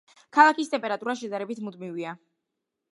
ქალაქის ტემპერატურა შედარებით მუდმივია.